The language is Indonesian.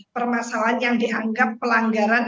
permasalahan yang dianggap pelanggaran